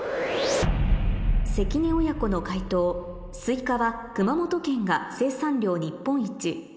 関根親子の解答「すいかは熊本県が生産量日本一」